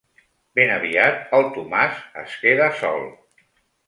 Ben aviat el Tomàs es queda sol.